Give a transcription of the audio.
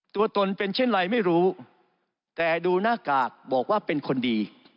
ตัวตนเป็นเช่นไรไม่รู้แต่ดูหน้ากากบอกว่าเป็นคนดี